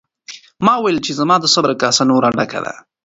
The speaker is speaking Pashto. ما وویل چې زما د صبر کاسه نوره ډکه ده.